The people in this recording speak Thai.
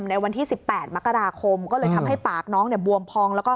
ในวันที่๑๘มกราคมก็เลยทำให้ปากน้องบวมพอง